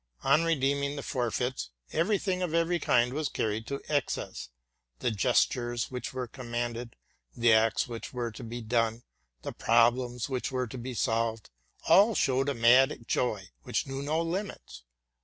On redeeming the for feits, every thing of every kind was carried to excess: the gestures which were commanded, the acts which were to be done, the problems which were to be solved, all sisecd amad joy which knew no limits.